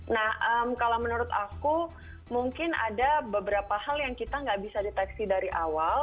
nah kalau menurut aku mungkin ada beberapa hal yang kita nggak bisa deteksi dari awal